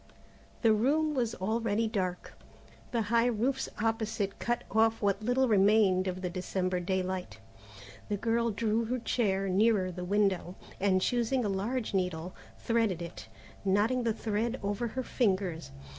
The room was already dark. The high roofs opposite cut off what little remained of the December daylight. The girl drew her chair nearer the window, and choosing a large needle, threaded it, knotting the thread over her fingers.